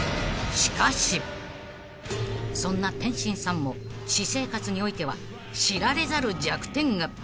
［そんな天心さんも私生活においては知られざる弱点が］